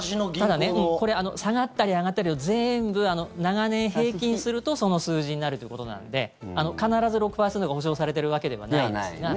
ただ、これ下がったり上がったりを全部、長年平均するとその数字になるということなんで必ず６％が保証されてるわけではないですが。